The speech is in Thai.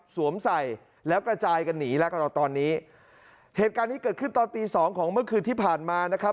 สวมใส่แล้วกระจายกันหนีแล้วก็ตอนนี้เหตุการณ์นี้เกิดขึ้นตอนตีสองของเมื่อคืนที่ผ่านมานะครับ